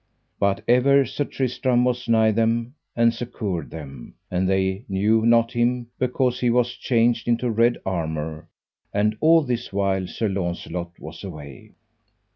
But ever Sir Tristram was nigh them and succoured them, and they [knew] not him, because he was changed into red armour: and all this while Sir Launcelot was away.